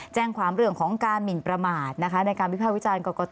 แจ้งความเรื่องของการหมิ่นประมาทนะคะ